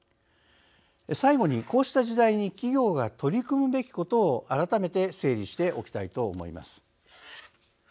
最後に、こうした時代に企業が取り組むべきことを改めて整理しておきたいと思います。